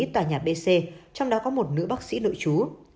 tòa nhà bc trong đó có một nữ bác sĩ nội chú